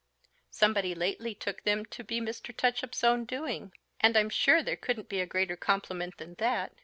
Somebody lately took them to be Mr. Touchup's own doing; and I'm sure there couldn't be a greater compliment than that!